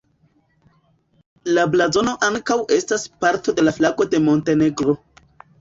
La blazono ankaŭ estas parto de la flago de Montenegro.